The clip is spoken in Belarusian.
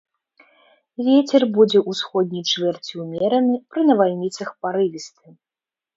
Вецер будзе ўсходняй чвэрці ўмераны, пры навальніцах парывісты.